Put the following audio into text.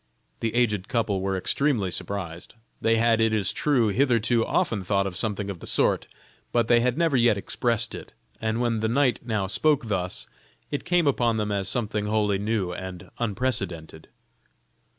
The aged couple were extremely surprised. They had, it is true, hitherto often thought of something of the sort, but they had never yet expressed it, and when the knight now spoke thus, it came upon them as something wholly new and unprecedented.